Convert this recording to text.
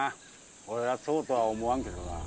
俺はそうとは思わんけどな。